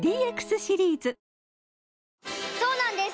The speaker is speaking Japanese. そうなんです